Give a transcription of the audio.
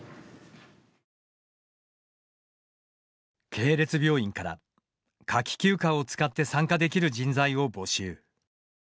系列病院から夏季休暇を使って参加できる人材を募集。